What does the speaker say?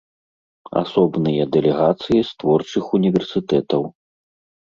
Асобныя дэлегацыі з творчых універсітэтаў.